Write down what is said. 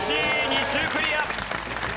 ２周クリア。